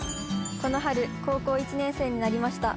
「この春高校１年生になりました」